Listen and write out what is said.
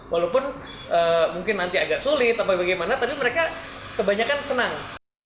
walaupun mungkin nanti agak sulit apa bagaimana tapi mereka kebanyakan senang